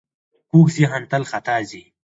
کوږ ذهن تل خطا ځي